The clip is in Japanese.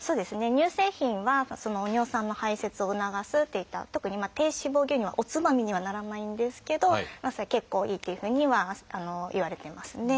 乳製品は尿酸の排せつを促すといった特に低脂肪牛乳はおつまみにはならないんですけど結構いいというふうにはいわれてますね。